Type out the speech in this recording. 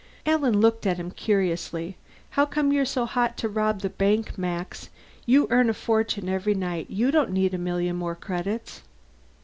Alan looked at him curiously. "How come you're so hot to rob the bank, Max? You earn a fortune every night. You don't need a million more credits."